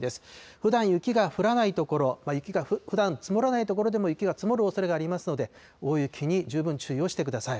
ふだん、雪が降らない所、雪がふだん積もらない所でも雪が積もるおそれがありますので、大雪に十分注意をしてください。